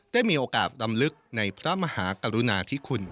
ได้มีโอกาสรำลึกในพระมหากรุณาธิคุณ